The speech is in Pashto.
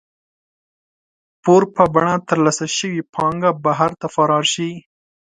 پور په بڼه ترلاسه شوې پانګه بهر ته فرار شي.